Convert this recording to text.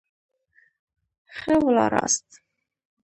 ښه ولاړاست.